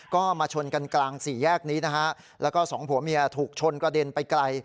ก็มาชนกันกลางสี่แยกนี้นะฮะแล้วก็สองผัวเมียถูกชนกระเด็นไปไกล